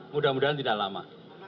mudah mudahan tidak lama